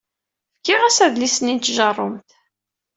Fkiɣ-as adlis-nni n tjeṛṛumt.